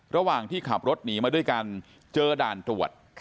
ระหว่างที่ขับรถหนีมาด้วยกันเจอด่านตรวจ